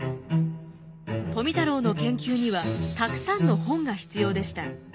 富太郎の研究にはたくさんの本が必要でした。